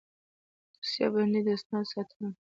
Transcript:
دوسیه بندي د اسنادو ساتنه ده